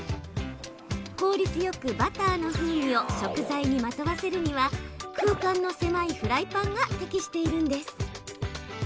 効率よく、バターの風味を食材にまとわせるには空間の狭いフライパンが適しているんです。